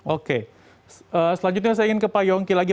oke selanjutnya saya ingin ke pak yongki lagi